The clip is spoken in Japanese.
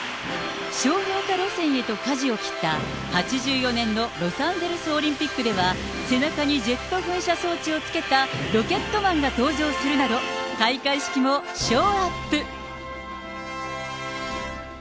商業化路線へとかじを切った８４年のロサンゼルスオリンピックでは、背中にジェット噴射装置をつけたロケットマンが登場するなど、開会式もショーアップ。